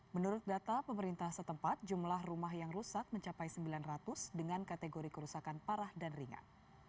menurut data pemerintah setempat jumlah rumah yang rusak mencapai sembilan ratus dengan kategori kerusakan parah dan ringan